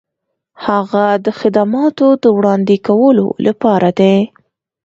هغه د خدماتو د وړاندې کولو لپاره دی.